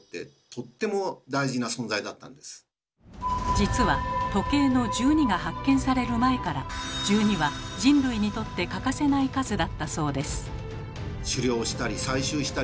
実は時計の１２が発見される前から１２は人類にとって欠かせない数だったそうです。